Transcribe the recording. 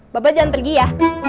bapak jangan pergi ya